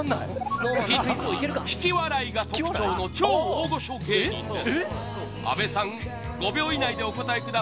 ヒントは、引き笑いが特徴の超大御所芸人です